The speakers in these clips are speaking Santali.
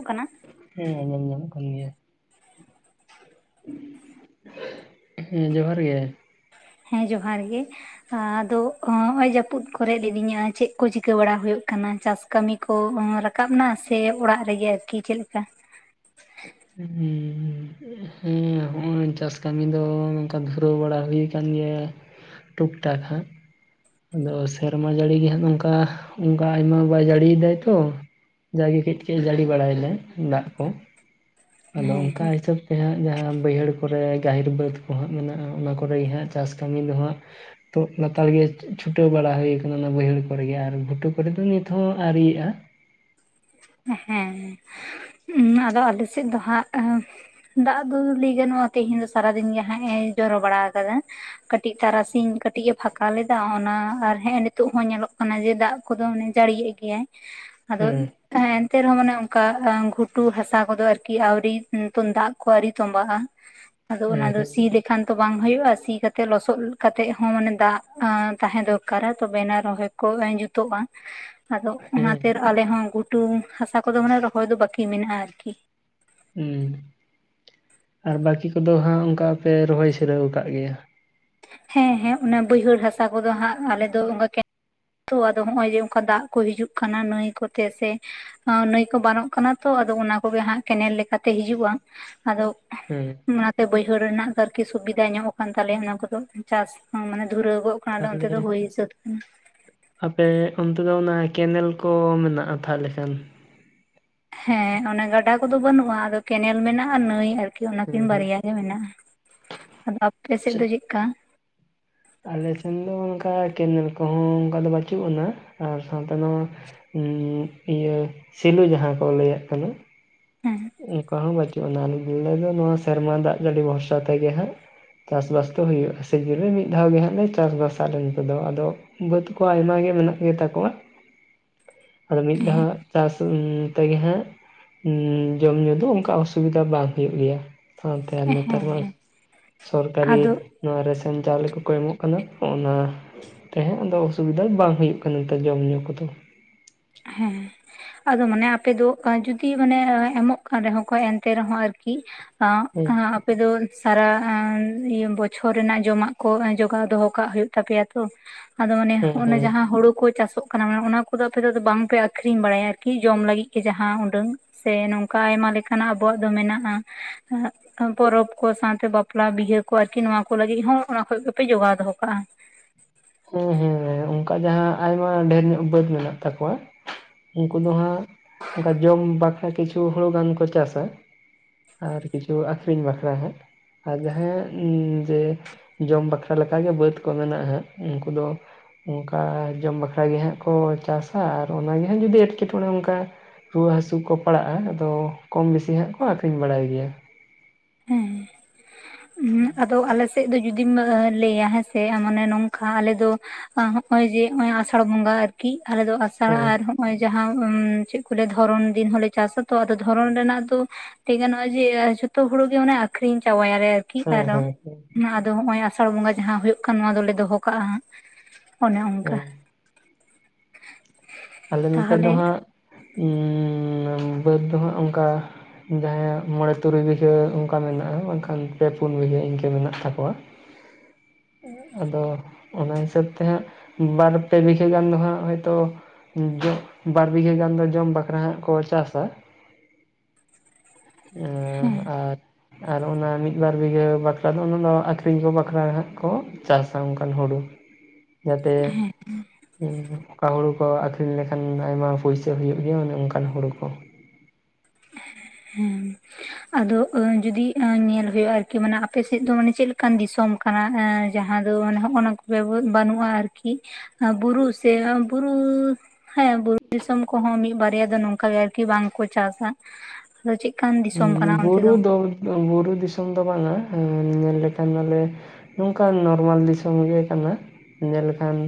ᱩ ᱠᱟᱱᱟ, ᱦᱮᱸ ᱟᱸᱡᱚᱢ ᱧᱟᱢᱚᱜ ᱠᱟᱱ ᱜᱮᱭᱟ᱾ ᱦᱮᱸ ᱡᱚᱦᱟᱨ ᱜᱮ᱾ ᱦᱮᱸ ᱡᱚᱦᱟᱨ ᱜᱮ᱾ ᱟᱫᱚ ᱚᱜ ᱚᱭ ᱡᱟᱹᱯᱩᱫ ᱠᱚᱨᱮ ᱞᱤᱫᱤᱧᱟ ᱪᱮᱫ ᱠᱚ ᱪᱤᱠᱟᱹ ᱵᱟᱲᱟ ᱦᱩᱭᱩᱜ ᱠᱟᱱᱟ ᱪᱟᱥ ᱠᱟᱹᱢᱤ ᱠᱚ ᱨᱟᱠᱟᱵ ᱱᱟ ᱥᱮ ᱚᱲᱟᱜ ᱨᱮᱜᱮ ᱟᱨᱠᱤ ᱪᱮᱫ ᱞᱮᱠᱟ? ᱩᱸ ᱦᱩᱸ ᱦᱩᱸ᱾ ᱦᱩᱸ ᱦᱚᱸᱜᱼᱚᱭ ᱪᱟᱥ ᱠᱟᱹᱢᱤ ᱫᱚ ᱱᱚᱝᱠᱟ ᱫᱷᱩᱨᱟᱹᱣ ᱵᱟᱲᱟ ᱦᱩᱭ ᱠᱟᱱ ᱜᱮᱭᱟ᱾ ᱴᱩᱠᱴᱟᱠ ᱦᱟᱸᱜ, ᱟᱫᱚ ᱥᱮᱨᱢᱟ ᱡᱟᱹᱲᱤ ᱜᱮᱦᱟᱸᱜ ᱱᱚᱝᱠᱟ ᱚᱱᱠᱟ ᱟᱭᱢᱟ ᱵᱟᱭ ᱡᱟᱹᱲᱤᱭᱮᱫᱟᱭ ᱛᱚ᱾ ᱡᱟᱜᱮ ᱠᱟᱹᱡ ᱠᱟᱹᱡ ᱡᱟᱹᱲᱤ ᱵᱟᱲᱟᱫᱟᱭ ᱫᱟᱜᱽ ᱠᱚ ᱟᱫᱚ ᱚᱝᱠᱟ ᱦᱤᱥᱟᱹᱵᱽ ᱛᱮ ᱦᱟᱸᱜ ᱡᱟᱦᱟᱸ ᱵᱟᱹᱭᱦᱟᱹᱲ ᱠᱚᱨᱮ ᱜᱟᱦᱤᱨ ᱵᱟᱹᱫᱽ ᱠᱚ ᱦᱟᱸᱜ ᱢᱮᱱᱟᱜᱼᱟ ᱚᱱᱟ ᱠᱚᱨᱮ ᱜᱮ ᱦᱟᱸᱜ ᱪᱟᱥ ᱠᱟᱹᱢᱤ ᱫᱚ ᱦᱟᱸᱜ ᱛᱚ ᱞᱮᱛᱟᱲ ᱜᱮ ᱪᱷᱩᱴᱟᱹᱣ ᱵᱟᱲᱟ ᱦᱩᱭ ᱟᱠᱟᱱᱟ ᱱᱚᱶᱟ ᱵᱟ. ᱭᱦᱟ. ᱲ ᱠᱚᱨᱮᱜᱮ ᱟᱨ ᱜᱷᱩᱴᱩ ᱠᱚᱨᱮ ᱫᱚ ᱱᱤᱛ ᱦᱚᱸ ᱟ. ᱶᱨᱤᱭᱟᱜ-ᱟ᱾ ᱦᱮᱸ ᱟᱫᱚ ᱟᱞᱮᱥᱮᱜ ᱫᱚ ᱦᱟᱸᱜ, ᱫᱟᱜᱽ ᱫᱚ ᱞᱟᱹᱭ ᱜᱟᱱᱚᱜᱼᱟ ᱛᱮᱦᱮᱧ ᱫᱚ ᱥᱟᱨᱟᱫᱤᱱ ᱜᱮ ᱦᱟᱸᱜ ᱮ ᱡᱚᱨᱚ ᱵᱟᱲᱟ ᱟᱠᱟᱫᱟ, ᱠᱟ. ᱴᱤᱜ ᱛᱟᱨᱟᱥᱤᱧ ᱠᱟ. ᱴᱤᱜ ᱮ ᱯᱷᱟᱸᱠᱟ ᱞᱮᱫᱟ ᱚᱱᱟ ᱟᱨ ᱦᱮᱸᱜ ᱮ ᱱᱤᱛᱚᱜ ᱦᱚᱸ ᱧᱮᱞᱚᱜ ᱠᱟᱱᱟ ᱡᱮ ᱫᱟᱜᱽ ᱠᱩᱫᱚ ᱢᱟᱱᱮ ᱡᱟᱹᱲᱤᱭᱮᱫ ᱜᱮᱭᱟᱭ ᱟᱫᱚ, ᱦᱮᱸ ᱦᱮᱸ ᱮᱱᱛᱮ ᱨᱮᱦᱚᱸ ᱢᱟᱱᱮ ᱚᱱᱠᱟ ᱜᱷᱩᱴᱩ ᱦᱟᱥᱟ ᱠᱚᱫᱚ ᱟᱨᱠᱤ ᱟᱣᱨᱤ ᱫᱟᱜᱽ ᱠᱚ ᱟᱣᱨᱤ ᱛᱚᱢᱵᱟᱜᱼᱟ᱾ ᱟᱫᱚ ᱦᱮᱸ ᱚᱱᱟ ᱫᱚ ᱦᱮᱸ ᱥᱤ ᱞᱮ ᱠᱷᱟᱱ ᱛᱚ ᱵᱟᱝ ᱦᱩᱭᱩᱜᱼᱟ ᱥᱤ ᱠᱟᱛᱮ ᱞᱚᱥᱚᱫ ᱠᱟᱛᱮ ᱦᱚᱸ ᱢᱟᱱᱮ ᱫᱟᱜᱽ ᱛᱟᱦᱮᱸ ᱫᱚᱨᱠᱟᱨᱟ ᱛᱚᱵᱮᱟᱱᱮ ᱨᱚᱦᱚᱭ, ᱠᱚᱞ ᱟᱹᱧ ᱡᱩᱛᱚᱜᱼᱟ, ᱟᱫᱚ ᱚᱱᱟ ᱠᱷᱟ. ᱦᱮᱸ ᱛᱤᱨ ᱟᱞᱮ ᱦᱚᱸ ᱜᱷᱩᱴᱩ ᱦᱟᱥᱟ ᱠᱚᱫᱚ ᱢᱟᱱᱮ ᱨᱚᱦᱚᱭ ᱫᱚ ᱵᱟᱠᱤ ᱢᱮᱱᱟᱜᱼᱟ ᱟᱨᱠᱤ᱾ ᱦᱩᱸ ᱟᱨ ᱵᱟᱹᱠᱤ ᱠᱚᱫᱚ ᱦᱟᱸᱜ ᱚᱱᱠᱟ ᱯᱮ ᱨᱚᱦᱚᱭ ᱥᱤᱨᱟᱹᱣ ᱟᱠᱟᱫ ᱜᱮᱭᱟ᱾ ᱦᱮᱸ ᱦᱮᱸ ᱚᱱᱟ ᱵᱟᱹᱭᱦᱟᱹᱲ ᱦᱟᱥᱟ ᱠᱚᱫᱚ ᱦᱟᱸᱜ ᱟᱞᱮ ᱫᱚ ᱚᱱᱠᱟ ᱜᱮ᱾ ᱛᱚ ᱟᱫᱚ ᱦᱚᱜ ᱚᱭ ᱡᱮ ᱚᱱᱠᱟ ᱫᱟᱜ ᱠᱚ ᱦᱤᱡᱩᱜ ᱠᱟᱱᱟ ᱱᱟᱹᱭ ᱠᱚᱛᱮ ᱥᱮ᱾ ᱱᱟᱹᱭ ᱠᱚ ᱵᱟᱱᱚᱜ ᱠᱟᱱᱟ ᱛᱚ ᱟᱫᱚ ᱚᱱᱟ ᱠᱚᱜᱮ ᱦᱟᱸᱜ ᱠᱮᱱᱮᱞ ᱞᱮᱠᱟᱛᱮ ᱦᱤᱡᱩᱜᱼᱟ ᱟᱫᱚ᱾ ᱦᱩᱸ ᱚᱱᱟᱛᱮ ᱵᱟᱹᱭᱦᱟᱹᱲ ᱨᱮᱱᱟᱜ ᱫᱚ ᱟᱨᱠᱤ ᱥᱩᱵᱤᱫᱟ ᱧᱚᱜ ᱠᱟᱱ ᱛᱟᱞᱮᱭᱟ ᱚᱱᱟ ᱠᱚᱫᱚ ᱪᱟᱥ ᱦᱚᱸ ᱢᱟᱱᱮ ᱫᱷᱩᱨᱟᱹᱣ ᱫᱚ᱾ ᱚᱱᱟ ᱫᱚ ᱚᱱᱛᱮ ᱫᱚ ᱛᱟᱦᱚᱞᱮ ᱦᱩᱭ ᱥᱟᱹᱛ ᱠᱟᱱᱟ᱾ ᱟᱯᱮ ᱚᱱᱛᱮ ᱫᱚ ᱚᱱᱟ ᱠᱮᱱᱮᱞ ᱠᱚ ᱢᱮᱱᱟᱜᱼᱟ ᱛᱟᱦᱚᱸᱞᱮ ᱠᱷᱟᱱ᱾ ᱦᱮᱸ ᱚᱱᱮ ᱜᱟᱰᱟ ᱠᱚᱫᱚ ᱵᱟᱹᱱᱩᱜᱼᱟ ᱟᱫᱚ ᱠᱮᱱᱮᱞ ᱢᱮᱱᱟᱜᱼᱟ ᱱᱟᱹᱭ ᱟᱨᱠᱤ ᱚᱱᱟᱠᱤᱱ ᱦᱩᱸ ᱵᱟᱨᱭᱟ᱾ ᱦᱮᱸ ᱢᱮᱱᱟᱜᱼᱟ ᱟᱫᱚ ᱟᱯᱮ ᱥᱮᱫ ᱫᱚ ᱦᱩᱸ ᱪᱮᱫᱠᱟ᱾ ᱟᱞᱮ ᱥᱮᱱ ᱫᱚ ᱚᱱᱠᱟ ᱠᱮᱱᱮᱞ ᱠᱚᱦᱚᱸ ᱚᱱᱠᱟ ᱫᱚ ᱵᱟᱹᱪᱩᱜ ᱟᱱᱟ ᱟᱨ ᱥᱟᱣᱛᱮ ᱱᱚᱣᱟ᱾ ᱩᱸ ᱤᱭᱟᱹ ᱥᱤᱞᱩ ᱡᱟᱦᱟᱸ ᱠᱚ ᱞᱟᱹᱭᱟᱜ ᱠᱟᱱᱟ᱾ ᱦᱮᱸ ᱚᱱᱠᱟ ᱦᱚᱸ ᱵᱟᱹᱪᱩᱜ ᱟᱱᱼᱟ ᱟᱞᱮ ᱫᱚ ᱱᱚᱣᱟ ᱥᱮᱨᱢᱟ ᱫᱟᱜ ᱡᱟᱹᱲᱤ ᱵᱷᱚᱨᱥᱟ ᱛᱮᱜᱮ ᱦᱟᱸᱜ᱾ ᱪᱟᱥᱵᱟᱥ ᱫᱚ ᱦᱩᱭᱩᱜᱼᱟ ᱥᱤᱡᱤᱱ ᱨᱮ ᱢᱤᱫ ᱫᱷᱟᱣ ᱜᱮ ᱦᱟᱸᱜ ᱞᱮ ᱪᱟᱥ ᱵᱟᱥᱟᱞᱮ ᱱᱤᱛᱚᱜ ᱫᱚ ᱟᱫᱚ᱾ ᱵᱟ. ᱛ ᱠᱚ ᱟᱭᱢᱟ ᱜᱮ ᱢᱮᱱᱟᱜ ᱜᱮᱛᱟ ᱠᱚᱣᱟ᱾ ᱟᱫᱚ ᱢᱤᱫ ᱫᱷᱟᱣ ᱦᱮᱸ ᱟᱜ ᱪᱟᱥ ᱛᱮᱜᱮ ᱦᱟᱸᱜ᱾ ᱡᱚᱢ ᱧᱩ ᱫᱚ ᱚᱱᱠᱟ ᱚᱥᱩᱵᱤᱫᱷᱟ ᱵᱟᱝ ᱦᱩᱭᱩᱜ ᱜᱮᱭᱟ᱾ ᱥᱟᱶᱛᱮ ᱟᱨ ᱦᱮᱸ ᱱᱮᱛᱟᱨ ᱢᱟ ᱦᱮᱸ ᱥᱚᱨᱠᱟᱨᱤ᱾ ᱟᱫᱚ ᱱᱚᱣᱟ ᱨᱮᱥᱮᱱ ᱪᱟᱣᱞᱮ ᱠᱚᱠᱚ ᱮᱢᱚᱜ ᱠᱟᱱᱟ ᱦᱚᱸᱜ-ᱱᱟ ᱛᱟᱦᱮᱸ ᱟᱫᱚ ᱚᱥᱩᱵᱤᱫᱷᱟ ᱵᱟᱝ ᱦᱩᱭᱩᱜ ᱠᱟᱱᱟ ᱱᱮᱛᱟᱨ ᱡᱚᱢ ᱧᱩ ᱠᱚᱫᱚ᱾ ᱦᱮᱸ ᱟᱫᱚ ᱢᱟᱱᱮ ᱟᱯᱮ ᱫᱚ ᱡᱚᱫᱤ ᱢᱟᱱᱮ ᱮᱢᱚᱜ ᱠᱟᱱ ᱨᱮᱦᱚᱸ ᱠᱚ ᱮᱱᱛᱮ ᱨᱮᱦᱚᱸ ᱟᱨᱠᱤ᱾ ᱟᱜ ᱦᱮᱸ -ᱟ ᱟᱯᱮ ᱫᱚ ᱥᱟᱨᱟ ᱵᱚᱪᱷᱚᱨ ᱨᱮᱱᱟᱜ ᱡᱚᱢᱟᱜ ᱠᱚ ᱡᱚᱜᱟᱣ ᱫᱚᱦᱚᱸ ᱠᱟᱜ ᱦᱩᱭᱩᱜ ᱛᱟᱯᱮᱭᱟ ᱛᱚ᱾ᱪ ᱟᱫᱚ ᱢᱟᱱᱮ ᱦᱮᱸ ᱦᱚᱸᱜ-ᱚᱱᱟ ᱦᱮᱸ ᱡᱟᱦᱟᱸ ᱦᱩᱲᱩ ᱠᱚ ᱪᱟᱥᱚᱜ ᱠᱟᱱᱟ ᱢᱟᱱᱮ ᱚᱱᱟ ᱠᱚᱫᱚ ᱟᱯᱮ ᱫᱚ᱾ ᱵᱟᱝᱯᱮ ᱟᱠᱷᱨᱤᱧ ᱵᱟᱲᱟᱭᱟ ᱟᱨᱠᱤ ᱡᱚᱢ ᱞᱟᱹᱜᱤᱫ ᱜᱮ ᱡᱟᱦᱟᱸ ᱩᱸᱰᱟᱹᱝ᱾ᱳᱳᱳ᱾᱾ ᱥᱮ ᱱᱚᱝᱠᱟ ᱟᱭᱢᱟ ᱞᱮᱠᱟᱱᱟᱜ ᱟᱵᱚᱣᱟᱜ ᱫᱚ ᱢᱮᱱᱟᱜᱼᱟᱺ ᱯᱚᱨᱚᱵᱽ ᱠᱚ ᱥᱟᱶᱛᱮ ᱵᱟᱯᱞᱟ ᱵᱤᱦᱟᱹ ᱠᱚ ᱟᱨᱠᱤ ᱱᱚᱶᱟ ᱠᱩ ᱞᱟᱹᱜᱤᱫ ᱦᱚᱸ ᱚᱱᱟ ᱠᱷᱚᱡᱽ ᱜᱮᱯᱮ ᱡᱚᱜᱟᱣ ᱫᱚᱦᱚ ᱠᱟᱜᱼᱟ᱾ ᱦᱮᱸ ᱦᱮᱸ ᱚᱱᱠᱟ ᱡᱟᱦᱟᱸ ᱟᱭᱢᱟ ᱰᱷᱮᱨ ᱧᱚᱜ ᱵᱟᱹᱫ ᱢᱮᱱᱟᱜ ᱛᱟᱠᱚᱣᱟ ᱩᱱᱠᱩ ᱫᱚ ᱦᱟᱸᱜ᱾ ᱚᱱᱠᱟ ᱡᱚᱢ ᱵᱟᱠᱷᱨᱟ ᱠᱤᱪᱷᱩ ᱦᱩᱲᱩ ᱜᱟᱱ ᱠᱚ ᱪᱟᱥᱼᱟ᱾ ᱟᱨ ᱠᱤᱪᱷᱩ ᱟᱠᱷᱨᱤᱧ ᱵᱟᱠᱷᱨᱟ ᱦᱟᱸᱜ᱾ ᱟᱨ ᱡᱟᱦᱟᱸᱭᱟᱜ ᱡᱮ ᱡᱚᱢ ᱵᱟᱠᱷᱨᱟ ᱞᱮᱠᱟᱜᱮ ᱵᱟᱹᱫᱽ ᱠᱚ ᱢᱮᱱᱟᱜᱼᱟ ᱩᱱᱠᱩ ᱫᱚ᱾ ᱚᱱᱠᱟ ᱡᱚᱢ ᱵᱟᱠᱷᱨᱟ ᱜᱮ ᱦᱟᱸᱜ ᱠᱚ ᱪᱟᱥᱟ ᱟᱨ ᱚᱱᱟᱜᱮ ᱦᱟᱸᱜ ᱡᱩᱫᱤ ᱮᱸᱴᱠᱮᱴᱚᱬᱮ ᱚᱱᱠᱟ᱾ ᱨᱩᱣᱟᱹ ᱦᱟᱹᱥᱩ ᱠᱚ ᱯᱟᱲᱟᱜᱼᱟ ᱟᱫᱚ ᱠᱚᱢ ᱵᱤᱥᱤ ᱦᱟᱸᱜ ᱠᱚ ᱟᱹᱠᱷᱨᱤᱧ ᱵᱟᱲᱟᱭ ᱜᱮᱭᱟ᱾ ᱦᱮᱸ ᱟᱫᱚ ᱟᱞᱮ ᱥᱮᱫ᱾ ᱥᱮᱫ ᱫᱚ ᱡᱩᱫᱤᱢ ᱞᱟᱹᱭᱟ ᱦᱮᱸᱥᱮ ᱢᱟᱱᱮ ᱱᱚᱝᱠᱟ ᱟᱞᱮ ᱫᱚ᱾ ᱦᱚᱸᱜ ᱚᱭ ᱡᱮ ᱦᱚᱸᱜ ᱚᱭ ᱟᱥᱟᱲ ᱵᱚᱸᱜᱟ ᱟᱨᱠᱤ ᱟᱞᱮ ᱫᱚ ᱟᱥᱟᱲ ᱦᱮᱸ ᱟᱨ᱾ ᱦᱚᱸᱜ ᱚᱭ ᱡᱟᱦᱟᱸ ᱪᱮᱫ ᱠᱚ ᱞᱟ. ᱭ-ᱟ ᱫᱷᱚᱨᱚᱱ ᱫᱤᱱ ᱦᱚᱸᱞᱮ ᱪᱟᱥ ᱟᱛᱚ ᱟᱫᱚ ᱫᱷᱚᱨᱚᱱ ᱨᱮᱱᱟᱜ ᱫᱚ᱾ ᱞᱟ. ᱭ ᱜᱟᱱᱚᱜᱼᱟ ᱡᱮ ᱡᱚᱛᱚ ᱦᱩᱲᱩ ᱜᱮ ᱢᱟᱱᱮ ᱟᱠᱷᱨᱤᱧ ᱪᱟᱵᱟᱭᱟᱞᱮ ᱟᱨᱠᱤ ᱦᱮᱸ ᱟᱨ ᱦᱮᱸ ᱦᱮᱸ ᱟᱫᱚ ᱦᱚᱸᱜ ᱚᱭ᱾ ᱟᱥᱟᱲ ᱵᱚᱸᱜᱟ ᱡᱟᱦᱟᱸ ᱦᱩᱭᱩᱜ ᱠᱟᱱ ᱱᱚᱣᱟ ᱫᱚᱞᱮ ᱫᱚᱦᱚ ᱠᱟᱜᱼᱟ ᱚᱱᱮ ᱚᱱᱠᱟ᱾ ᱦᱮᱸ ᱟᱞᱮ ᱱᱚᱛᱮ ᱫᱚ ᱛᱟᱦᱚᱞᱮ ᱦᱟᱸᱜ ᱩᱸᱻ ᱵᱟᱹᱫᱽ ᱫᱚ ᱦᱟᱸᱜ ᱚᱱᱠᱟ᱾ ᱡᱟᱦᱟᱸᱭᱟᱜ ᱢᱚᱬᱮ ᱛᱩᱨᱩᱭ ᱵᱤᱦᱟᱹ ᱚᱱᱠᱟ ᱢᱮᱱᱟᱜᱼᱟ ᱢᱮᱱᱠᱷᱟᱱ ᱯᱮ ᱯᱩᱱ ᱵᱤᱜᱷᱟᱹ ᱤᱱᱠᱟᱹ ᱢᱮᱱᱟᱜ ᱛᱟᱠᱚᱣᱟ᱾ [unintelligible] ᱟᱫᱚ ᱚᱱᱟ ᱦᱤᱥᱟᱹᱵᱽ ᱛᱮ ᱦᱟᱸᱜ ᱵᱟᱨ ᱯᱮ ᱵᱤᱜᱷᱟᱹ ᱜᱟᱱ ᱫᱚ ᱦᱟᱸᱜ ᱦᱚᱭᱛᱚ᱾ ᱵᱟᱨ ᱵᱤᱜᱷᱟᱹ ᱜᱟᱱ ᱫᱚ ᱡᱚᱢ ᱵᱟᱠᱷᱨᱟ ᱦᱟᱸᱜ ᱠᱚ ᱪᱟᱥᱟ᱾ ᱮᱸ ᱦᱮᱸ ᱟᱨ ᱟᱨ ᱚᱱᱟ ᱢᱤᱫ ᱵᱟᱨ ᱵᱤᱜᱷᱟᱹ ᱵᱟᱠᱷᱨᱟ ᱫᱚ ᱚᱱᱟ ᱱᱳᱣᱟ ᱫᱚ ᱟᱠᱷᱨᱤᱧ ᱠᱚ ᱵᱟᱠᱷᱨᱟ ᱦᱟᱸᱜ ᱠᱚ ᱪᱟᱥᱟ ᱚᱱᱠᱟᱱ ᱦᱩᱲᱩ ᱡᱟᱛᱮ ᱚᱠᱟ ᱦᱩᱲᱩ ᱠᱚ ᱟᱠ ᱞᱮᱠᱷᱟᱱ ᱟᱭᱢᱟ ᱯᱩᱭᱥᱟᱹ ᱦᱩᱭᱩᱜ ᱜᱮᱭᱟ ᱚᱱᱮ ᱚᱱᱠᱟᱱ ᱦᱳᱲᱳ ᱠᱚ ᱦᱩᱸ ᱟᱫᱚ ᱟᱸᱻ ᱡᱩᱫᱤ ᱟᱸᱻ ᱮ ᱧᱮᱞ ᱦᱩᱭᱩᱜᱼᱟ ᱟᱨᱠᱤ ᱢᱟᱱᱮ ᱟᱯᱮᱥᱮᱫ ᱫᱚ ᱢᱟᱱᱮ ᱪᱮᱫᱞᱮᱠᱟᱱ ᱫᱤᱥᱚᱢ ᱠᱟᱱᱟ ᱡᱟᱦᱟᱸ ᱫᱚ ᱢᱟᱱᱮ ᱦᱚᱜᱼᱱᱟ ᱠᱚ ᱵᱟᱹᱱᱩᱜᱼᱟ ᱟᱨᱠᱤ ᱟᱨ ᱵᱩᱨᱩ ᱥᱮ ᱵᱩᱨᱩ ᱦᱮᱸ ᱵᱩᱨᱩ ᱫᱤᱥᱚᱢ ᱠᱚᱦᱚᱸ ᱢᱤᱫ ᱵᱟᱨᱭᱟ ᱫᱚ ᱱᱚᱝᱠᱟ ᱜᱮ ᱟᱨᱠᱤ ᱵᱟᱝᱠᱚ ᱪᱟᱥᱟ᱾ ᱟᱫᱚ ᱪᱮᱫ ᱠᱟᱱ ᱦᱩᱸ ᱵᱩᱨᱩ ᱫᱚ ᱵᱩᱨᱩ ᱫᱤᱥᱚᱢ ᱫᱚ ᱵᱟᱝᱟ ᱧᱮᱞ ᱞᱮᱠᱷᱟᱱ ᱢᱟᱞᱮ ᱱᱚᱝᱠᱟᱱ ᱱᱚᱨᱢᱟᱞ ᱫᱤᱥᱚᱢ ᱜᱮ ᱠᱟᱱᱟ᱾ ᱧᱮᱞ ᱞᱮᱠᱷᱟᱱ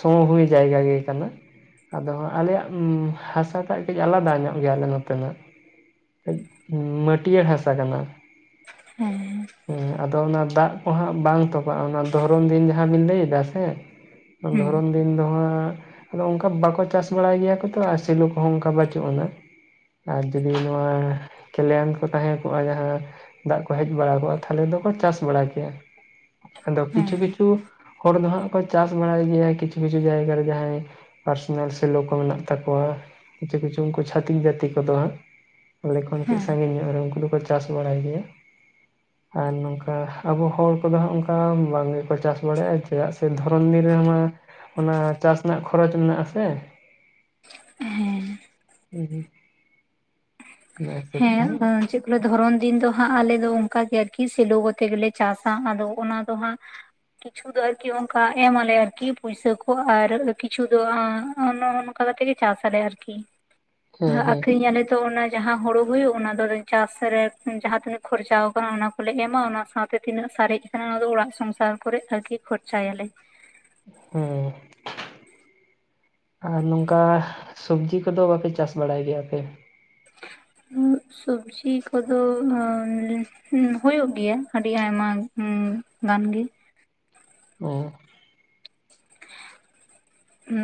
ᱥᱚᱢᱚ ᱦᱩᱭ ᱡᱟᱭᱜᱟ ᱜᱮ ᱠᱟᱱᱟ᱾ ᱟᱫᱚ ᱦᱟᱜ ᱟᱞᱮᱭᱟᱜ ᱩᱸᱻ ᱦᱟᱥᱟᱴᱟᱜ ᱠᱟᱹᱡ ᱟᱞᱟᱫᱟ ᱧᱚᱜ ᱜᱮᱭᱟᱞᱮ ᱱᱚᱛᱮ ᱱᱟᱜ ᱢᱟᱹᱴᱤᱭᱟᱹᱲ ᱦᱟᱥᱟ ᱠᱟᱱᱟ᱾ ᱦᱮᱸ ᱦᱮᱸ ᱟᱫᱚ ᱚᱱᱟ ᱫᱟᱜ ᱠᱚ ᱦᱟᱸᱜ ᱵᱟᱝ ᱛᱚᱯᱟᱜᱼᱟ, ᱚᱱᱟ ᱫᱷᱚᱨᱚᱱ ᱫᱤᱱ ᱡᱟᱦᱟᱸ ᱵᱤᱱ ᱞᱟᱹᱭ ᱮᱫᱟ ᱥᱮ ᱦᱩᱸ ᱫᱷᱚᱨᱚᱱ ᱫᱤᱱ ᱫᱚ ᱦᱟᱸᱜ ᱟᱫᱚ ᱚᱱᱠᱟ ᱵᱟᱠᱚ ᱪᱟᱥ ᱵᱟᱲᱟᱭ ᱜᱮᱭᱟ ᱠᱚ ᱛᱚ ᱟᱨ ᱥᱮᱞᱩ ᱠᱚᱦᱚᱸ ᱚᱱᱠᱟ ᱵᱟᱪᱩᱜ ᱟᱱᱟ᱾ ᱟᱨ ᱡᱩᱫᱤ ᱱᱚᱣᱟ ᱠᱮᱞᱟᱱ ᱠᱚ ᱛᱟᱦᱮᱸ ᱠᱚᱜᱼᱟ᱾ ᱡᱟᱦᱟᱸ ᱫᱟᱜ ᱠᱚ ᱦᱮᱡ ᱵᱟᱲᱟ ᱠᱚᱜᱼᱟ, ᱛᱟᱦᱞᱮ ᱫᱚᱠᱚ ᱪᱟᱥ ᱵᱟᱲᱟ ᱠᱮᱭᱟ᱾ ᱟᱫᱚ ᱠᱤᱪᱷᱩ ᱦᱮᱸ ᱠᱤᱪᱷᱩ ᱦᱚᱲ ᱫᱚ ᱦᱟᱸᱜ ᱠᱚ ᱪᱟᱥ ᱵᱟᱲᱟᱭ ᱜᱮᱭᱟ ᱠᱤᱪᱷᱩ ᱠᱤᱪᱷᱩ ᱡᱟᱭᱜᱟ ᱨᱮ ᱡᱟᱦᱟᱸᱭ ᱯᱟᱨᱥᱚᱱᱟᱞ ᱥᱮᱞᱚ ᱠᱚ ᱢᱮᱱᱟᱜ ᱛᱟᱠᱚᱣᱟ, ᱠᱤᱪᱷᱩ ᱠᱤᱪᱷᱩ ᱩᱱᱠᱩ ᱪᱷᱟᱹᱛᱤᱠ ᱡᱟᱹᱛᱤ ᱠᱚᱫᱚ ᱦᱟᱸᱜ ᱦᱮᱸ ᱥᱟᱸᱜᱤᱧ ᱧᱚᱜ ᱟᱨ ᱩᱱᱠᱩ ᱫᱚᱠᱚ ᱪᱟᱥ ᱵᱟᱲᱟᱭ ᱜᱮᱭᱟ᱾ ᱻ ᱟᱨ ᱱᱚᱝᱠᱟ ᱟᱵᱚ ᱦᱚᱲ ᱠᱚᱫᱚ ᱦᱟᱸᱜ ᱚᱱᱠᱟ ᱵᱟᱝ ᱜᱮᱠᱚ ᱪᱟᱥ ᱵᱟᱲᱟᱭᱼᱟ, ᱪᱮᱫᱟᱜ ᱥᱮ ᱫᱷᱚᱨᱚᱱ ᱫᱤᱱ ᱨᱮᱦᱚᱸᱢᱟ ᱚᱱᱟ ᱪᱟᱥ ᱨᱮᱱᱟᱜ ᱠᱷᱚᱨᱚᱪ ᱢᱮᱱᱟᱜᱼᱟ ᱥᱮ [inaudible] ᱦᱩᱸ ᱦᱩᱸ [unintelligible] ᱦᱮᱸ ᱪᱮᱫ ᱠᱚ ᱫᱷᱚᱨᱚᱱ ᱫᱤᱱ ᱫᱚ ᱦᱟᱜ ᱟᱞᱮ ᱫᱚ ᱚᱱᱠᱟ ᱜᱮ ᱟᱨ ᱠᱤ ᱥᱮᱞᱳ ᱠᱟᱛᱮ ᱜᱮᱞᱮ ᱪᱟᱥᱼᱟ᱾ ᱟᱫᱚ ᱚᱱᱟ ᱫᱚ ᱦᱟᱸᱜ ᱠᱤᱪᱷᱩ ᱫᱚ ᱟᱨᱠᱤ ᱚᱱᱠᱟ ᱮᱢ ᱟᱞᱮ ᱟᱨᱠᱤ ᱯᱩᱭᱥᱟᱹ ᱠᱚ ᱟᱨ ᱠᱤᱪᱷᱩ ᱫᱚ [unintelligible] ᱚᱱᱠᱟ ᱠᱟᱛᱮ ᱪᱟᱥ ᱟᱞᱮ ᱟᱨᱠᱤ, ᱦᱮᱸ ᱦᱮᱸ ᱟᱠᱷᱨᱤᱧ ᱟᱞᱮ ᱛᱚ ᱚᱱᱟ ᱡᱟᱦᱟ ᱦᱩᱲᱩ ᱦᱩᱭᱩᱜ ᱚᱱᱟ ᱫᱚ ᱪᱟᱥ ᱨᱮ ᱡᱟᱦᱟᱸ ᱛᱤᱱᱟᱹᱜ ᱠᱷᱚᱨᱪᱟ ᱟᱠᱟᱱᱟ ᱚᱱᱟ ᱠᱚᱞᱮ ᱮᱢᱟ ᱚᱱᱟ ᱥᱟᱶᱛᱮ ᱛᱤᱱᱟᱹᱜ ᱥᱟᱨᱮᱡ ᱛᱟᱦᱮᱸ ᱚᱱᱟ ᱫᱚ ᱚᱲᱟᱜ ᱥᱚᱝᱥᱟᱨ ᱠᱚᱨᱮ ᱟᱨᱠᱤ ᱠᱷᱚᱨᱪᱟᱭ ᱟᱞᱮ᱾ ᱦᱩᱸ ᱟᱨ ᱱᱚᱝᱠᱟ ᱥᱚᱵᱡᱤ ᱠᱚᱫᱚ ᱵᱟᱯᱮ ᱪᱟᱥ ᱵᱟᱲᱟᱭ ᱜᱮᱭᱟ ᱟᱯᱮ? ᱥᱚᱵᱡᱤ ᱠᱚᱫᱚ ᱟᱸᱻ ᱦᱩᱸ ᱦᱩᱭᱩᱜ ᱜᱮᱭᱟ ᱟᱹᱰᱤ ᱟᱭᱢᱟ ᱜᱟᱱ ᱜᱮ ᱚᱻ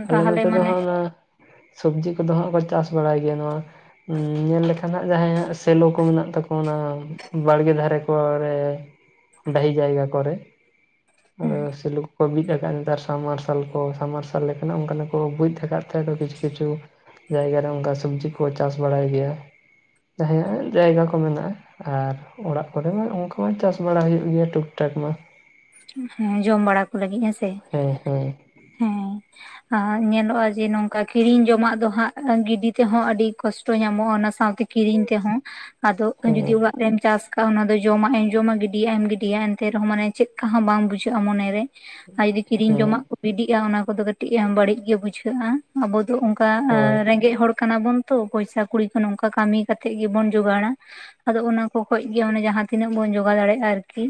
ᱟᱞᱮ ᱛᱟᱦᱚᱞᱮ ᱱᱚᱛᱮ ᱫᱚ ᱢᱟᱱᱮ ᱦᱟᱸᱜ ᱚᱱᱟ ᱥᱚᱵᱡᱤ ᱠᱚᱫᱚ ᱦᱟᱸᱜ ᱠᱚ ᱪᱟᱥ ᱵᱟᱲᱟᱭ ᱜᱮᱭᱟ ᱱᱚᱣᱟ ᱧᱮᱞ ᱞᱮᱠᱷᱟᱱ ᱟᱜ ᱡᱟᱦᱟᱸᱭᱟᱼᱜ ᱥᱮᱞᱚ ᱠᱚ ᱢᱮᱱᱟᱜ ᱛᱟᱠᱚᱱᱟ ᱵᱟᱲᱜᱮ ᱫᱷᱟᱨᱮ ᱠᱚᱨᱮ ᱰᱟᱹᱦᱤ ᱡᱟᱭᱜᱟ ᱠᱚᱨᱮ ᱟᱫᱚ ᱥᱮᱞᱩ ᱠᱚ ᱠᱚ ᱵᱤᱫ ᱟᱠᱟᱫᱼᱟ ᱱᱮᱛᱟᱨ ᱥᱟᱵ ᱢᱟᱨᱥᱟᱞ ᱠᱚ ᱥᱟ ᱢᱟᱨᱥᱟᱞ ᱛᱟᱦᱚᱞᱮ ᱠᱷᱟᱱ ᱚᱱᱠᱟᱱᱟᱜ ᱠᱚ ᱵᱩᱡᱽ ᱠᱟᱫ ᱛᱟᱦᱮᱸᱠᱚ ᱠᱤᱪᱷᱩ ᱠᱤᱪᱷᱩ ᱡᱟᱭᱜᱟ ᱨᱮ ᱚᱱᱠᱟ ᱥᱚᱵᱽᱡᱤ ᱠᱚ ᱪᱟᱥ ᱵᱟᱲᱟᱭ ᱜᱮᱭᱟ ᱡᱟᱦᱟᱸᱭᱟᱜ ᱡᱟᱭᱜᱟ ᱠᱚ ᱢᱮᱱᱟᱜᱼᱟ᱾ ᱟᱨ ᱚᱲᱟᱜ ᱠᱚᱨᱮ ᱢᱟ ᱚᱱᱠᱟ ᱢᱟ ᱪᱟᱥ ᱵᱟᱲᱟ ᱦᱩᱭᱩᱜ ᱜᱮᱭᱟ ᱴᱩᱠ ᱴᱟᱠ ᱢᱟ ᱦᱮᱸ ᱡᱚᱢ ᱵᱟᱲᱟ ᱠᱚ ᱞᱟᱹᱜᱤᱫ ᱦᱮᱸ ᱥᱮ ᱦᱮᱸ ᱦᱮᱸ ᱦᱮᱸ ᱟ ᱧᱮᱞᱚᱜᱼᱟ ᱡᱮ ᱱᱚᱝᱠᱟ ᱠᱤᱨᱤᱧ ᱡᱚᱢᱟᱜ ᱫᱚ ᱦᱟᱸᱜ ᱜᱤᱰᱤ ᱛᱮᱦᱚᱸ ᱟᱹᱰᱤ ᱠᱚᱥᱴᱚ ᱧᱟᱢᱚᱜᱼᱟ᱾ ᱚᱱᱟ ᱥᱟᱶᱛᱮ ᱠᱤᱨᱤᱧ ᱛᱮᱦᱚᱸ ᱟᱫᱚ ᱡᱩᱫᱤ ᱦᱮᱸ ᱚᱲᱟᱜ ᱨᱮᱢ ᱪᱟᱥ ᱠᱟᱜᱼᱟ ᱚᱱᱟ ᱫᱚ ᱡᱚᱢᱟᱜ ᱮᱢ ᱡᱚᱢᱟᱜ ᱜᱤᱰᱤᱭᱟᱜ ᱮᱢ ᱜᱤᱰᱤᱭᱟ᱾ ᱮᱱᱛᱮ ᱨᱮᱦᱚᱸ ᱢᱟᱱᱮ ᱪᱮᱫ ᱦᱚᱸ ᱵᱟᱝ ᱵᱩᱡᱷᱟᱹᱜᱼᱟ ᱢᱚᱱᱮᱨᱮ ᱟᱨ ᱡᱩᱫᱤ ᱠᱤᱨᱤᱧ ᱦᱮᱸ ᱡᱚᱢᱟᱜ ᱵᱤᱰᱤᱜᱼᱟ ᱚᱱᱟ ᱠᱚᱫᱚ ᱠᱟᱹᱴᱤᱡ ᱵᱟᱹᱲᱤᱡ ᱜᱮ ᱵᱩᱡᱷᱟᱹᱜᱼᱟ, ᱟᱵᱚ ᱫᱚ ᱚᱱᱠᱟ ᱦᱳᱭ ᱨᱮᱸᱜᱮᱡ ᱦᱚᱲ ᱠᱟᱱᱟ ᱵᱚᱱ ᱛᱚ ᱯᱚᱭᱥᱟ ᱠᱩᱲᱤ ᱠᱚ ᱱᱚᱝᱠᱟ ᱠᱟᱹᱢᱤ ᱠᱟᱛᱮᱫ ᱜᱮᱵᱚᱱ ᱡᱚᱜᱟᱲᱟ᱾ ᱟᱫᱚ ᱚᱱᱟ ᱠᱚ ᱠᱷᱚᱡ ᱜᱮ ᱡᱟᱦᱟᱸᱛᱤᱱᱟᱹᱜ ᱵᱚᱱ ᱡᱚᱜᱟᱣ ᱫᱟᱲᱮᱭᱟᱜᱼᱟ ᱟᱨᱠᱤ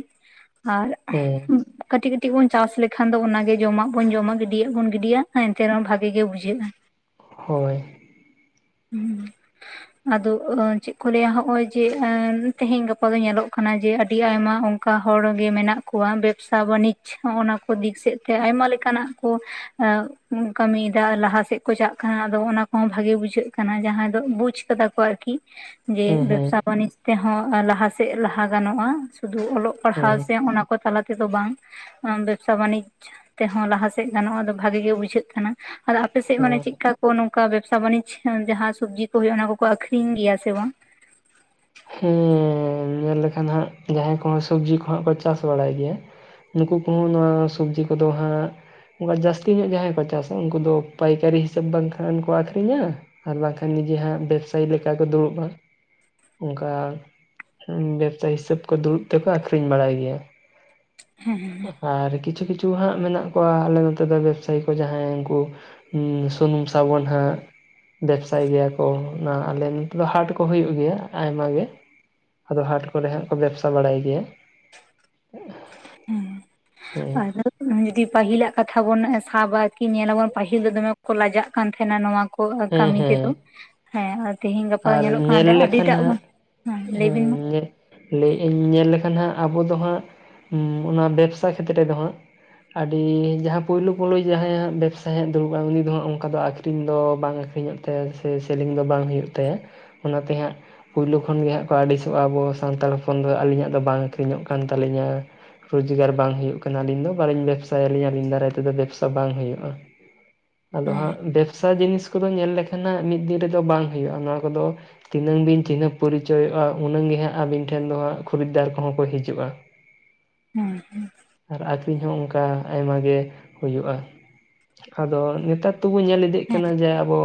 ᱟᱨ ᱦᱮᱸ ᱠᱟᱹᱴᱤᱡ ᱠᱟᱹᱴᱤᱡ ᱵᱩᱱ ᱪᱟᱥ ᱞᱮᱠᱷᱟᱱ ᱫᱚ ᱚᱱᱟᱜᱮ ᱡᱚᱢᱟᱜ ᱵᱚᱱ ᱡᱚᱢᱟ ᱜᱤᱰᱤᱭᱟᱜ ᱵᱚᱱ ᱜᱤᱰᱤᱭᱟ ᱮᱱᱛᱮ ᱨᱮᱦᱚᱸ ᱵᱷᱟᱜᱮ ᱜᱮ ᱵᱩᱡᱷᱟᱹᱜᱼᱟ᱾ ᱦᱳᱭ ᱦᱩᱸ [unintelligible] ᱟᱫᱚ ᱪᱮᱫ ᱠᱚ ᱞᱟᱹᱭᱟ ᱦᱚᱸᱜᱼᱚᱭ ᱡᱮ ᱛᱮᱦᱮᱧ ᱜᱟᱯᱟ ᱫᱚ ᱧᱮᱞᱚᱜ ᱠᱟᱱᱟ ᱡᱮ ᱟᱹᱰᱤ ᱟᱭᱢᱟ ᱚᱱ ᱚᱱᱠᱟ ᱦᱚᱲ ᱜᱮ ᱢᱮᱱᱟᱜ ᱠᱚᱣᱟ ᱵᱮᱵᱽᱥᱟ ᱵᱟᱱᱤᱡᱽ ᱦᱚᱸ ᱚᱱᱟ ᱠᱚ ᱫᱤᱠ ᱥᱮᱫ ᱛᱮ ᱟᱭᱢᱟ ᱞᱮᱠᱟᱱᱟᱜ ᱠᱚ ᱮᱸ ᱠᱟᱹᱢᱤᱭᱮᱫᱟ ᱞᱟᱦᱟ ᱥᱮᱫ ᱠᱚ ᱪᱟᱠ ᱠᱟᱱᱟ ᱟᱫᱚ ᱚᱱᱟ ᱠᱚᱦᱚᱸ ᱵᱷᱟᱜᱮ ᱵᱩᱡᱷᱟᱹᱜ ᱠᱟᱱᱟ ᱡᱟᱦᱟᱸᱭ ᱫᱚ ᱵᱩᱡ ᱠᱟᱫᱟ ᱠᱚ ᱟᱨᱠᱤ᱾ ᱡᱮ ᱦᱩᱸ ᱦᱩᱸ ᱵᱮᱵᱽᱥᱟ ᱵᱟᱹᱱᱤᱡᱽ ᱛᱮᱦᱚᱸ ᱞᱟᱦᱟ ᱥᱮᱫ ᱞᱟᱦᱟ ᱜᱟᱱᱚᱜᱼᱟ ᱥᱩᱫᱩ ᱚᱞᱚᱜ ᱯᱟᱲᱦᱟᱣ ᱦᱩᱸ ᱥᱮ ᱚᱱᱟ, ᱠᱚ ᱛᱟᱞᱟ ᱛᱮᱫᱚ ᱵᱟᱝ ᱵᱮᱵᱽᱥᱟ ᱵᱟᱱᱤᱡᱽ ᱛᱮᱦᱚᱸ ᱞᱟᱦᱟᱥᱮᱫ ᱜᱟᱱᱚᱜᱼᱟ ᱵᱷᱟᱜᱮ ᱜᱮ ᱵᱩᱡᱷᱟᱹᱜ ᱠᱟᱱᱟ ᱟᱫᱚ ᱟᱯᱮᱥᱮᱫ ᱢᱟᱱᱮ ᱦᱮᱸ ᱪᱮᱫᱠᱟ ᱠᱚ ᱱᱚᱝᱠᱟ ᱵᱮᱵᱽᱥᱟ ᱵᱟᱱᱤᱡᱽ ᱡᱟᱦᱟᱸ ᱥᱚᱵᱽᱡᱤ ᱠᱚ ᱦᱩᱭᱩᱜᱼᱟ᱾ ᱚᱱᱟ ᱠᱚᱠᱚ ᱟᱠᱷᱨᱤᱧ ᱜᱮᱭᱟ ᱥᱮ ᱵᱟᱝ? ᱦᱮᱸ ᱧᱮᱞ ᱞᱮᱠᱷᱟᱱ ᱫᱚ ᱦᱟᱸᱜ ᱡᱟᱦᱟᱸᱭ ᱠᱚᱦᱚᱸ ᱥᱚᱵᱽᱡᱤ ᱠᱚᱦᱟᱸᱜ ᱠᱚ ᱪᱟᱥ ᱵᱟᱲᱟᱭ ᱜᱮᱭᱟ᱾ ᱱᱩᱠᱩ ᱠᱚᱦᱚᱸ ᱱᱚᱣᱟ ᱥᱚᱵᱽᱡᱤ ᱠᱚᱫᱚ ᱦᱟᱸᱜ ᱚᱱᱠᱟ ᱡᱟᱹᱥᱛᱤ ᱧᱚᱜ ᱡᱟᱦᱟᱸᱭ ᱠᱚ ᱪᱟᱥᱟ ᱩᱱᱠᱩ ᱫᱚ ᱯᱟᱭᱠᱟᱹᱨᱤ ᱦᱤᱥᱟᱹᱵᱽ ᱵᱟᱝᱠᱷᱟᱱ ᱠᱚ ᱟᱹᱠᱷᱨᱤᱧᱟ᱾ ᱟᱨ ᱵᱟᱝᱠᱷᱟᱱ ᱱᱤᱡᱮ ᱦᱟᱸᱜ ᱵᱮᱵᱽᱥᱟᱭᱤ ᱞᱮᱠᱟ ᱠᱚ ᱫᱩᱲᱩᱵᱼᱟ᱾ ᱚᱱᱠᱟ ᱵᱮᱵᱽᱥᱟ ᱦᱤᱥᱟᱹᱵᱽ ᱛᱮᱠᱚ ᱫᱩᱲᱩᱵ ᱛᱮᱠᱚ ᱟᱠᱷᱨᱤᱧ ᱵᱟᱲᱟᱭ ᱜᱮᱭᱟ᱾ ᱦᱮᱸ ᱟᱨ ᱠᱤᱪᱷᱩ ᱠᱤᱪᱷᱩ ᱦᱟᱸᱜ ᱢᱮᱱᱟᱜ ᱠᱚᱣᱟ ᱟᱞᱮ ᱱᱚᱛᱮ ᱫᱚ ᱵᱮᱵᱽᱥᱟᱭᱤ ᱠᱚ ᱡᱟᱦᱟᱸᱭ ᱩᱱᱠᱩ ᱦᱩᱸ ᱥᱩᱱᱩᱢ ᱥᱟᱵᱚᱱ ᱦᱟᱸᱜ ᱵᱮᱵᱽᱥᱟᱭ ᱜᱮᱭᱟ ᱠᱚ ᱚᱱᱟ ᱟᱞᱮ ᱱᱤᱛ ᱫᱚ ᱦᱟᱸᱴ ᱠᱚ ᱦᱩᱭᱩᱜ ᱜᱮᱭᱟ᱾ ᱟᱭᱢᱟ ᱜᱮ ᱟᱫᱚ ᱦᱟᱸᱴ ᱠᱚᱨᱮ ᱦᱟᱸᱜ ᱠᱚ ᱵᱮᱵᱽᱥᱟ ᱵᱟᱲᱟᱭ ᱜᱮᱭᱟ᱾ ᱦᱮᱸ ᱟᱫᱚ ᱡᱩᱫᱤ ᱯᱟᱹᱦᱤᱞᱟᱜ ᱠᱟᱛᱷᱟ ᱵᱚᱱ ᱥᱟᱵᱟ ᱠᱤ ᱧᱮᱞᱟᱵᱚᱱ ᱯᱟᱹᱦᱤᱞ ᱫᱚ ᱫᱚᱢᱮ ᱠᱚ ᱞᱟᱡᱟᱜ ᱠᱟᱱ ᱛᱟᱦᱮᱱᱟ ᱱᱚᱣᱟ ᱠᱚ ᱠᱚ ᱦᱮᱸ ᱠᱟᱹᱢᱤ ᱛᱮᱫᱚ ᱦᱮᱸ ᱦᱮᱸ ᱛᱮᱦᱮᱧ ᱜᱟᱯᱟ ᱟᱨ ᱧᱮᱞᱚᱜ ᱧᱮᱞ ᱠᱟᱱᱟ ᱞᱮᱠᱷᱟᱱ ᱟᱹᱰᱤᱴᱟᱜ ᱦᱟᱸᱜ ᱵᱟᱝ ᱦᱮᱸ ᱞᱟᱹᱭᱮᱫ ᱤᱧ ᱧᱮᱞ ᱞᱮᱠᱷᱟᱱ ᱦᱟᱸᱜ ᱟᱵᱚ ᱫᱚ ᱦᱟᱸᱜ ᱚᱱᱟ ᱵᱮᱵᱽᱥᱟ ᱠᱷᱮᱛᱨᱮ ᱫᱚ ᱦᱟᱸᱜ ᱟᱹᱰᱤ ᱡᱟᱦᱟᱸ ᱯᱳᱭᱞᱳ ᱯᱳᱞᱳ ᱡᱟᱦᱟᱸᱭ ᱦᱟᱸᱜ ᱵᱮᱵᱽᱥᱟᱭ ᱦᱟᱸᱭ ᱫᱩᱲᱩᱵᱟᱭ ᱩᱱᱤ ᱫᱚ ᱦᱟᱸᱜ ᱚᱱᱠᱟ ᱫᱚ ᱟᱠᱷᱨᱤᱧ ᱫᱚ ᱵᱟᱝ ᱟᱹᱠᱷᱨᱤᱧᱚᱜ ᱛᱟᱭᱟ ᱥᱮ ᱥᱮᱞᱤᱝ ᱫᱚ ᱵᱟᱝ ᱦᱩᱭᱩᱜ ᱛᱟᱭᱟ ᱚᱱᱟᱛᱮ ᱦᱟᱸᱜ ᱯᱳᱭᱞᱳ ᱠᱷᱚᱱ ᱜᱮ ᱦᱟᱸᱜ ᱠᱚ ᱟᱹᱲᱤᱥᱚᱜᱼᱟ ᱟᱵᱚ ᱥᱟᱱᱛᱟᱲ ᱦᱚᱯᱚᱱ ᱫᱚ ᱟᱹᱞᱤᱧᱟᱜ ᱫᱚ ᱵᱟᱝ ᱟᱹᱠᱷᱨᱤᱧᱚᱜ ᱠᱟᱱ ᱛᱟᱹᱞᱤᱧᱟ᱾ ᱨᱚᱡᱽᱜᱟᱨ ᱵᱟᱝ ᱦᱩᱭᱩᱜ ᱠᱟᱱᱟ ᱟᱹᱞᱤᱧ ᱫᱚ ᱵᱟᱹᱞᱤᱧ ᱵᱮᱵᱽᱥᱟᱭᱟ ᱟᱹᱞᱤᱧ ᱫᱟᱨᱟᱸᱭ ᱛᱮᱫᱚ ᱵᱮᱵᱽᱥᱟ ᱵᱟᱝ ᱦᱩᱭᱩᱜᱼᱟ᱾ [inaudible] ᱟᱫᱚ ᱦᱟᱸᱜ ᱵᱮᱵᱽᱥᱟ ᱡᱤᱱᱤᱥ ᱠᱚᱫᱚ ᱧᱮᱞ ᱞᱮᱠᱷᱟᱱᱟᱸᱜ ᱢᱤᱫ ᱫᱤᱱ ᱨᱮᱫᱚ ᱵᱟᱝ ᱦᱩᱭᱩᱜᱼᱟ᱾ ᱱᱚᱣᱟ ᱠᱚᱫᱚ ᱛᱤᱱᱟᱹᱝ ᱵᱤᱱ ᱪᱤᱱᱦᱟᱹ ᱯᱚᱨᱤᱪᱚᱭᱚᱜᱼᱟ ᱩᱱᱟᱹᱝ ᱜᱮ ᱦᱟᱸᱜ ᱟᱹᱵᱤᱱ ᱴᱷᱮᱱ ᱫᱚ ᱦᱟᱸᱜ ᱠᱷᱚᱨᱤᱫᱽᱫᱟᱨ ᱠᱚᱦᱚᱸ ᱠᱚ ᱦᱤᱡᱩᱜᱼᱟ᱾ ᱦᱮᱸ ᱟᱨ ᱟᱠᱷᱨᱤᱧ ᱦᱚᱸ ᱚᱱᱠᱟ ᱟᱭᱢᱟ ᱜᱮ ᱦᱩᱭᱩᱜᱼᱟ᱾ ᱟᱫᱚ ᱱᱮᱛᱟᱨ ᱛᱚᱵᱚ ᱧᱮᱞ ᱤᱫᱤᱜ ᱠᱟᱱᱟ ᱡᱮ ᱟᱵᱚᱼᱼ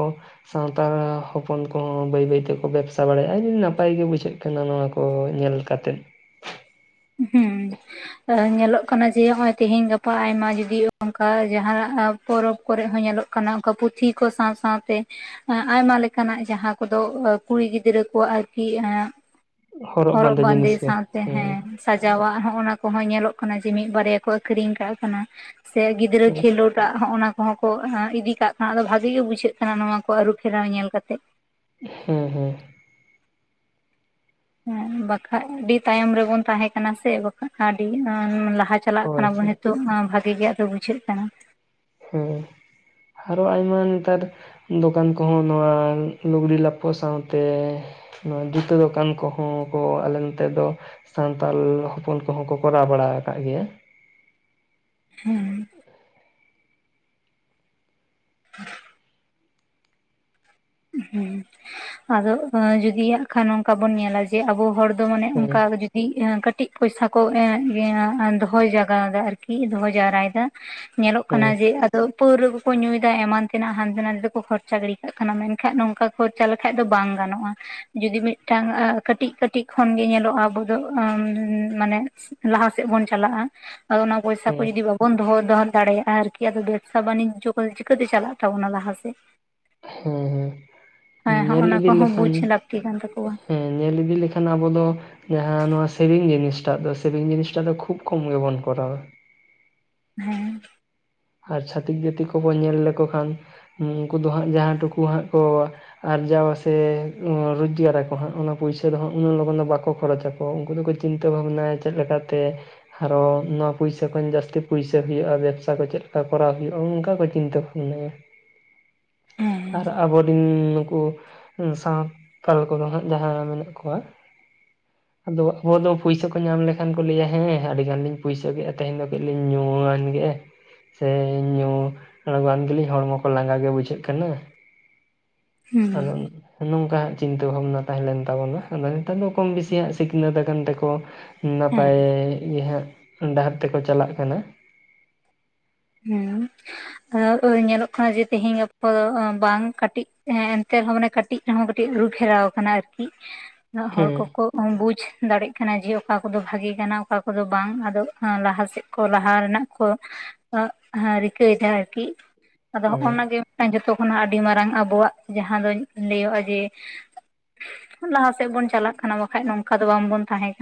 ᱥᱟᱱᱛᱟᱲ ᱦᱚᱯᱚᱱ ᱠᱚᱦᱚᱸ ᱵᱟᱹᱭ ᱵᱟᱹᱭ ᱛᱮᱠᱚ ᱵᱮᱵᱽᱥᱟ ᱵᱟᱲᱟᱭᱟ ᱟᱹᱰᱤ ᱱᱟᱯᱟᱭ ᱜᱮ ᱵᱩᱡᱷᱟᱹᱜ ᱠᱟᱱᱟ ᱱᱚᱣᱟ ᱠᱚᱼᱼ ᱠᱚ ᱧᱮᱞ ᱠᱟᱛᱮᱫ ᱦᱩᱸᱻ ᱧᱮᱞᱚᱜ ᱠᱟᱱᱟ ᱡᱮ ᱱᱚᱜ ᱦᱚᱭ ᱛᱮᱦᱮᱧ ᱜᱟᱯᱟ ᱟᱭᱢᱟ ᱡᱚᱫᱤ ᱚᱱᱠᱟ ᱡᱟᱦᱱᱟᱜᱼᱼ ᱯᱚᱨᱚᱵᱽ ᱠᱚᱨᱮ ᱦᱚᱸ ᱧᱮᱞᱚᱜ ᱠᱟᱱᱟ ᱚᱱᱠᱟ ᱯᱩᱛᱷᱤ ᱠᱚ ᱥᱟᱶ ᱥᱟᱶ ᱛᱮ ᱟᱭᱢᱟ ᱞᱮᱠᱟᱱᱟᱜ ᱡᱟᱦᱟᱸ ᱠᱚᱫᱚ ᱠᱩᱲᱤ ᱜᱤᱫᱽᱨᱟᱹ ᱠᱚᱣᱟᱜ ᱟᱨᱠᱤ ᱮᱸ ᱦᱚᱨᱚᱜ ᱵᱟᱸᱫᱮ ᱥᱟᱶᱛᱮ ᱦᱮᱸ᱾ ᱥᱟᱡᱟᱣᱟᱜ ᱦᱚᱸ ᱚᱱᱟ ᱠᱚᱦᱚᱸ ᱧᱮᱞᱚᱜ ᱠᱟᱱᱟ ᱡᱮ ᱢᱤᱫ ᱵᱟᱨᱭᱟ ᱠᱚ ᱟᱠᱷᱨᱤᱧ ᱠᱟᱜ ᱠᱟᱱᱟ ᱥᱮ ᱜᱤᱫᱽᱨᱟᱹ ᱦᱮᱸ ᱠᱷᱮᱞᱳᱰ ᱟᱜ ᱦᱚᱸ ᱚᱱᱟ ᱠᱚᱦᱚᱸ ᱠᱚ ᱤᱫᱤ ᱠᱟᱜ ᱠᱟᱱᱟ ᱟᱫᱚ ᱵᱷᱟᱜᱤ ᱜᱮ ᱵᱩᱡᱷᱟᱹᱜ ᱠᱟᱱᱟ ᱱᱚᱣᱟ ᱠᱚ ᱟᱹᱨᱩ ᱯᱷᱮᱨᱟᱣ ᱧᱮᱞ ᱠᱟᱛᱮᱼᱼ ᱦᱮᱸ ᱦᱮᱸ ᱦᱮᱸ ᱵᱟᱠᱷᱟᱡ ᱟᱹᱰᱤ ᱛᱟᱭᱚᱢ ᱨᱮᱵᱚᱱ ᱛᱟᱦᱮᱸ ᱠᱟᱱᱟ ᱥᱮ ᱵᱟᱠᱷᱟᱱ ᱟᱹᱰᱤ ᱞᱟᱦᱟ ᱪᱟᱼᱼ ᱪᱟᱞᱟᱜ ᱠᱟᱱᱟ ᱦᱳᱭ ᱵᱚᱱ ᱦᱮᱸ ᱱᱤᱛᱚᱜ ᱦᱚᱸ ᱵᱷᱟᱜᱮ ᱜᱮ ᱟᱫᱚ ᱵᱩᱡᱷᱟᱹᱜ ᱠᱟᱱᱟ᱾ ᱦᱮᱸ ᱟᱨᱚ ᱟᱭᱢᱟ ᱱᱮᱛᱟᱨᱼᱼ ᱫᱚᱠᱟᱱ ᱠᱚᱦᱚᱸ ᱱᱚᱣᱟ ᱞᱩᱜᱽᱲᱤ ᱞᱟᱯᱚ ᱥᱟᱶᱛᱮᱻ ᱱᱚᱣᱟ ᱡᱩᱛᱟᱹ ᱫᱚᱠᱟᱱ ᱠᱚᱦᱚᱸ ᱠᱚ ᱟᱞᱮ ᱱᱚᱛᱮ ᱫᱚ, ᱥᱟᱱᱛᱟᱞ ᱦᱚᱯᱚᱱ ᱠᱚᱦᱚᱸ ᱠᱚ ᱠᱚᱨᱟᱣ ᱵᱟᱲᱟ ᱟᱠᱟᱫ ᱜᱮᱭᱟ᱾ ᱦᱮᱸ [unintelligible] ᱦᱮᱸ ᱟᱫᱚ ᱡᱩᱫᱤ ᱠᱷᱟᱱ ᱱᱚᱝᱠᱟ ᱵᱚᱱ ᱧᱮᱞᱟ ᱡᱮ ᱟᱵᱚ ᱦᱚᱲᱼᱼ ᱫᱚ ᱢᱟᱱᱮ ᱦᱮᱸ ᱚᱱᱠᱟ ᱜᱮ ᱡᱩᱼᱼ ᱫᱤ ᱠᱟᱴᱤᱡ ᱯᱚᱭᱥᱟ ᱠᱚ ᱮ ᱫᱚᱦᱚ ᱡᱟᱜᱟᱣ ᱫᱟ ᱟᱨᱠᱤ ᱫᱚᱦᱚ ᱡᱟᱣᱨᱟᱭ ᱮᱫᱟ ᱧᱮᱞᱚᱜ ᱦᱮᱸ ᱠᱟᱱᱟ ᱡᱮᱼᱼ ᱯᱟᱹᱣᱨᱟ ᱠᱚᱠᱚ ᱧᱩᱭᱮᱫᱟ ᱮᱢᱟᱱ ᱛᱮᱱᱟᱜ ᱦᱟᱱᱛᱮ ᱱᱟᱛᱮ ᱫᱚᱠᱚ ᱠᱷᱚᱨᱪᱟ ᱜᱤᱰᱤ ᱠᱟᱜ ᱠᱟᱱᱟ ᱢᱮᱱᱼᱼ ᱠᱷᱟ ᱱᱚᱝᱠᱟ ᱠᱷᱚᱨᱪᱟ ᱞᱮᱠᱷᱟᱡ ᱫᱚ ᱵᱟᱝ ᱜᱟᱱᱚᱜᱼᱟ᱾ ᱡᱩᱚᱫᱤ ᱢᱤᱫᱴᱟᱝ ᱠᱟᱹᱴᱤᱡ ᱠᱟᱹᱴᱤᱡ ᱠᱷᱚᱱᱜᱮ ᱧᱮᱞᱚᱜᱼᱟ ᱟᱵᱚ ᱫᱚ ᱢᱟᱱᱮᱼᱼ ᱞᱟᱦᱟᱥᱮᱫ ᱵᱚᱱ ᱪᱟᱞᱟᱜᱼᱟ ᱟᱫᱚ ᱚᱱᱟ ᱯᱚᱭᱥᱟ ᱠᱚ ᱦᱮᱸ ᱡᱚᱫᱤ ᱵᱟᱼᱼ ᱵᱚᱱ ᱫᱚᱦᱚ ᱫᱚᱦᱚ ᱫᱟᱲᱮᱭᱟᱜᱼᱟ ᱟᱨᱠᱤ ᱟᱫᱚ ᱵᱮᱵᱽᱥᱟ ᱵᱟᱱᱤᱡᱚ ᱠᱚᱫᱚ ᱪᱤᱠᱟᱹᱛᱮ ᱪᱟᱞᱟᱜ ᱛᱟᱵᱚᱱᱟ ᱞᱟᱦᱟ ᱥᱮᱫᱼᱼ ᱦᱮᱸ ᱦᱮᱸ ᱦᱮᱸ ᱦᱮ ᱧᱮᱞ ᱚᱱᱟ ᱤᱫᱤ ᱠᱚᱦᱚᱸ ᱞᱮᱠᱷᱟᱱ ᱵᱩᱡ ᱞᱟᱹᱠᱛᱤ ᱠᱟᱱ ᱛᱟᱠᱚᱣᱟ᱾ ᱦᱮᱸ ᱧᱮᱞ ᱤᱫᱤ ᱞᱮᱠᱷᱟᱱ ᱟᱵᱚ ᱫᱚᱼᱼ ᱡᱟᱦᱟᱸ ᱱᱚᱣᱟ ᱥᱮᱵᱷᱤᱝ ᱡᱤᱱᱤᱥᱴᱟᱜ ᱫᱚ ᱥᱮᱵᱷᱤᱝ ᱡᱤᱱᱤᱥᱴᱟᱜ ᱫᱚ ᱠᱷᱩᱵ ᱠᱚᱢ ᱜᱮᱵᱚᱱ ᱠᱚᱨᱟᱣᱟ᱾ ᱦᱮᱸ ᱟᱨ ᱪᱷᱟᱹᱛᱤᱠ ᱡᱟᱹᱛᱤ ᱠᱚᱵᱚᱱ ᱧᱮᱞ ᱞᱮᱠᱚ ᱠᱷᱟᱱ ᱩᱱᱠᱩ ᱫᱚ ᱦᱟᱸᱜ ᱡᱟᱦᱟᱸ ᱴᱩᱠᱩ ᱦᱟᱸᱜ ᱠᱚᱼᱼ ᱟᱨᱡᱟᱣ ᱥᱮ ᱨᱳᱡᱽᱜᱟ ᱨᱟᱠᱚ ᱦᱟᱸᱜ ᱚᱱᱟ ᱯᱩᱭᱥᱟᱹ ᱫᱚ ᱦᱟᱸᱜ ᱩᱱᱟᱹᱜ ᱞᱚᱜᱚᱱ ᱫᱚ ᱵᱟᱠᱚ ᱠᱷᱚᱨᱚᱪᱟᱠᱚ᱾ ᱩᱱᱠᱩ ᱫᱚᱠᱚ ᱪᱤᱱᱛᱟᱹ ᱵᱷᱟᱵᱽᱱᱟ ᱪᱮᱫ ᱞᱮᱠᱟᱛᱮᱼᱼ ᱟᱨᱚ ᱱᱚᱣᱟ ᱯᱩᱭᱥᱟᱹ ᱠᱷᱚᱱ ᱡᱟᱹᱥᱛᱤ ᱯᱩᱭᱥᱟᱹ ᱦᱩᱭᱩᱜᱼᱟ ᱵᱮᱵᱽᱥᱟ ᱠᱚ ᱪᱮᱫᱼᱼ ᱠᱚᱨᱟᱣ ᱦᱩᱭᱩᱜᱼᱟ ᱚᱝᱠᱟ ᱠᱚ ᱪᱤᱱᱛᱟᱹ ᱵᱷᱟᱵᱽᱱᱟᱭᱟ᱾ ᱦᱮᱸ ᱟᱨ ᱟᱵᱚᱨᱤᱱ ᱱᱩᱠᱩ ᱥᱟᱶ ᱛᱟᱞ ᱠᱚᱫᱚ ᱦᱟᱸᱜ ᱡᱟᱦᱟᱸ ᱢᱮᱱᱟᱜ ᱠᱚᱣᱟ᱾ ᱟᱫᱚ ᱟᱵᱚ ᱫᱚ ᱯᱩᱭᱥᱟᱹ ᱠᱚ ᱧᱟᱢ ᱞᱮᱠᱷᱟᱱ ᱠᱚ ᱞᱟᱹᱭᱟ ᱦᱮᱸ ᱟᱹᱰᱤ ᱜᱟᱱ ᱞᱤᱧ ᱯᱩᱭᱥᱟᱹ ᱜᱮᱼᱟ ᱛᱮᱦᱮᱧ ᱫᱚ ᱠᱟᱹᱡ ᱞᱤᱧ ᱧᱩᱣᱟᱱ ᱜᱮᱼᱼ ᱥᱮ ᱧᱩ ᱟᱬᱜᱚ ᱣᱟᱱ ᱜᱮᱞᱤᱧ ᱦᱚᱲᱢᱚ ᱠᱚ ᱞᱟᱸᱜᱟ ᱜᱮ ᱵᱩᱡᱷᱟᱹᱜ ᱠᱟᱱᱟ᱾ ᱦᱩᱸ ᱟᱫᱚ ᱱᱚᱝᱠᱟᱜ ᱪᱤᱱᱛᱟᱹ ᱵᱷᱟᱵᱽᱱᱟ ᱛᱟᱦᱮᱸ ᱞᱮᱱ ᱛᱟᱵᱚᱱᱟ ᱟᱫᱚ ᱱᱮᱛᱟᱨ ᱫᱚ ᱠᱚᱢ ᱵᱮᱥᱤ ᱦᱟᱜ ᱥᱤᱠᱷᱱᱟᱹᱛ ᱟᱠᱟᱱ ᱛᱮᱠᱚ, ᱦᱮᱸ ᱱᱟᱯᱟᱭ ᱜᱮ ᱦᱟᱸᱜ ᱰᱟᱦᱟᱨ ᱛᱮᱠᱚ ᱪᱟᱞᱟᱜ ᱠᱟᱱᱟ᱾ ᱦᱩᱸ ᱟᱨ ᱚᱱᱮ ᱧᱮᱞᱚᱜ ᱠᱟᱱᱟ ᱡᱮ ᱛᱮᱦᱮᱧ ᱜᱟᱯᱟ ᱫᱚ ᱵᱟᱝ ᱠᱟᱹᱴᱤᱜ ᱮᱱᱛᱮ ᱨᱮᱦᱚᱸ ᱢᱟᱱᱮ ᱠᱟᱹᱴᱤᱜ ᱨᱮᱦᱚᱸ ᱠᱟᱹᱴᱤᱜ ᱟᱹᱨᱩ ᱯᱷᱮᱨᱟᱣ ᱟᱠᱟᱱᱟ ᱟᱨᱠᱤ ᱦᱚᱲ ᱦᱮᱸ ᱠᱚᱠᱚ, ᱵᱩᱡ ᱫᱟᱲᱮᱜ ᱠᱟᱱᱟ ᱡᱮ ᱚᱠᱟ ᱠᱚᱫᱚ ᱵᱷᱟᱜᱮ ᱠᱟᱱᱟ ᱚᱠᱟ ᱠᱚᱫᱚ ᱵᱟᱝ ᱟᱫᱚ ᱞᱟᱦᱟ ᱥᱮᱫ ᱠᱚ ᱞᱟᱦᱟ ᱨᱮᱱᱟᱜ, ᱠᱚ ᱨᱤᱠᱟᱹᱭᱮᱫᱟ ᱟᱨᱠᱤ ᱟᱫᱚ ᱦᱮᱸ ᱦᱚᱸᱜᱼᱱᱟ ᱜᱮ, ᱡᱚᱛᱚ ᱠᱷᱚᱱᱟᱜ ᱟᱹᱰᱤ ᱢᱟᱨᱟᱝ ᱟᱵᱚᱣᱟᱜ ᱡᱟᱦᱟᱸ ᱫᱚᱧ ᱞᱟᱹᱭᱚᱜᱼᱟ ᱡᱮ, ᱞᱟᱦᱟ ᱥᱮᱫ ᱵᱚᱱ ᱪᱟᱞᱟᱜ ᱠᱟᱱᱟ ᱵᱟᱠᱷᱟᱭ ᱱᱚᱝᱠᱟ ᱫᱚ ᱵᱟᱝᱵᱚᱱ ᱛᱟᱦᱮᱸ ᱠᱟᱱᱟ᱾